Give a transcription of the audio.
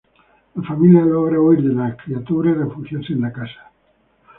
La familia logra huir de las criaturas y refugiarse en la casa.